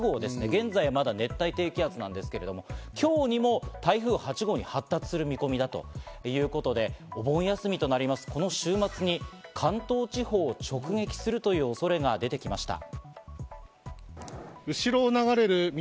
現在はまだ熱帯低気圧なんですが今日にも台風８号に発達する見込みだということで、お盆休みとなります、この週末に関東地方を直撃するという恐れが出てきました。